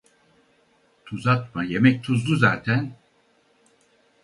Tuz atma, yemek tuzlu zaten.